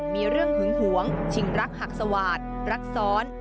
มีเรื่องหึงหวงชิงรักหักสวาดรักซ้อน